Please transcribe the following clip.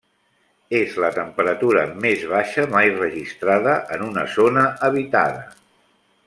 És la temperatura més baixa mai registrada en una zona habitada.